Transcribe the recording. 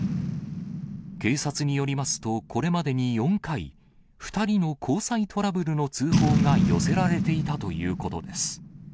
警察によりますと、これまでに４回、２人の交際トラブルの通報が寄せられていたということです。